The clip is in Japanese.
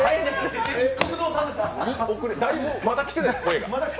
まだきてないですか、声が。